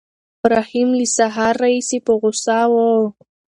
رحیم له سهار راهیسې په غوسه و.